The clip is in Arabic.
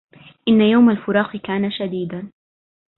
إن يوم الفراق كان شديدا